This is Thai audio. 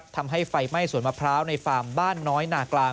ทำให้ไฟไหม้สวนมะพร้าวในฟาร์มบ้านน้อยนากลาง